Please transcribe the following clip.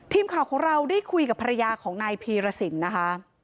ทีมข่าวของเราได้คุยกับภรรยาของนายพีรสินนะคะ